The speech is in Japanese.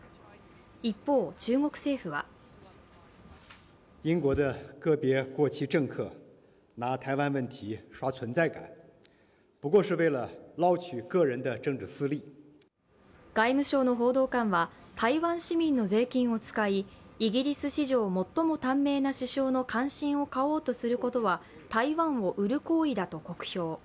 一方、中国政府は外務省の報道官は台湾市民の税金を使い、イギリス史上最も短命な首相の歓心を買おうとすることは台湾を売る行為だと酷評。